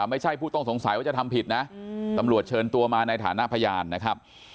ผู้ต้องสงสัยว่าจะทำผิดนะตำรวจเชิญตัวมาในฐานะพยานนะครับ